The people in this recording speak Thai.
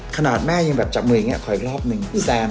ขนาดแม่ยังแบบจับมืออย่างเงี้ยขออีกรอบนึง